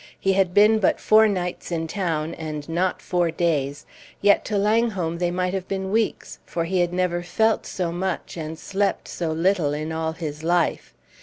He had been but four nights in town, and not four days, yet to Langholm they might have been weeks, for he had never felt so much and slept so little in all his life.